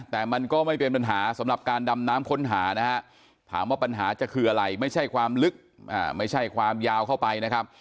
แต่มันก็ไม่เป็นปัญหาสำหรับการดำน้ำค้นหานะฮะถามว่าปัญหาจะคืออะไรไม่ใช่ความลึกไม่ใช่ความยาวเข้าไปนะครับ